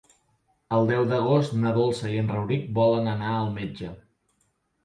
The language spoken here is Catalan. El deu d'agost na Dolça i en Rauric volen anar al metge.